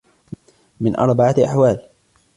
مِنْ أَرْبَعَةِ أَحْوَالٍ